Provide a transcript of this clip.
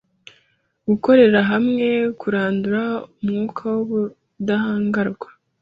Gukorera hamwe Kurandura umwuka wubudahangarwa